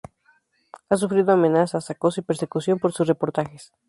Ha sufrido amenazas, acoso y persecución, por sus reportajes.